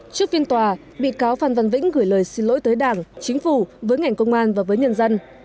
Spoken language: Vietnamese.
trước phiên tòa bị cáo phan văn vĩnh gửi lời xin lỗi tới đảng chính phủ với ngành công an và với nhân dân